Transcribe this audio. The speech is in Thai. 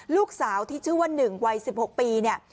ลูกสาวที่ชื่อว่า๑วัย๑๖ปีเนี่ย